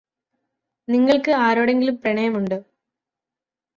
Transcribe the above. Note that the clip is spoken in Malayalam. നിങ്ങൾക്ക് ആരോടെങ്കിലും പ്രണയമുണ്ടോ?